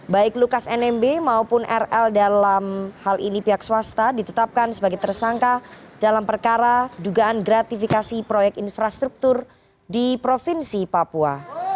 baik lukas nmb maupun rl dalam hal ini pihak swasta ditetapkan sebagai tersangka dalam perkara dugaan gratifikasi proyek infrastruktur di provinsi papua